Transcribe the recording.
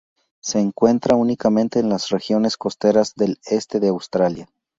Se encuentra únicamente en las regiones costeras del este de Australia.